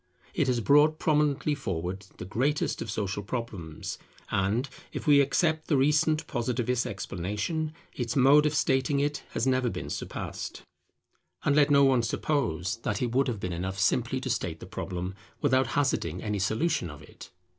It has brought prominently forward the greatest of social problems; and, if we except the recent Positivist explanation, its mode of stating it has never been surpassed. And let no one suppose that it would have been enough simply to state the problem, without hazarding any solution of it.